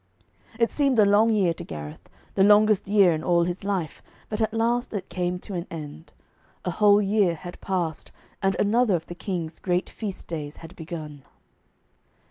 It seemed a long year to Gareth, the longest year in all his life, but at last it came to an end. A whole year had passed, and another of the King's great feast days had begun.